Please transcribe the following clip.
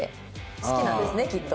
好きなんですねきっと。